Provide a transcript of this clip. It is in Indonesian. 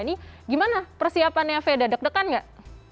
ini gimana persiapannya veda deg degan nggak